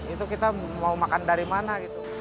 itu kita mau makan dari mana gitu